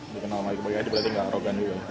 bukan sama sama berarti nggak rogan juga